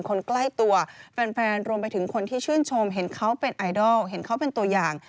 คนใกล้ตัวแฟนรวมไปถึงคนที่ชื่นชมเห็นเขาเป็นไอดอลเห็นเขาเป็นตัวอย่าง